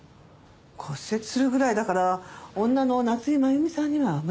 骨折するぐらいだから女の夏井真弓さんには無理よね。